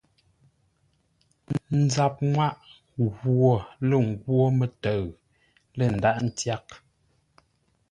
Nzap-nŋwâʼ ghwo lə́ nghwó mə́təʉ lə́ ndághʼ ntyághʼ.